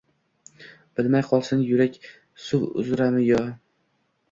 Bilmay qolsin yurak: suv uzrami, yo